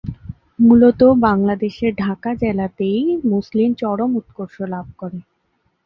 মূলতঃ বাংলাদেশের ঢাকা জেলাতেই মসলিন চরম উৎকর্ষ লাভ করে।